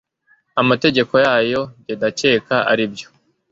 amategeko yayo. jye ndacyeka aribyo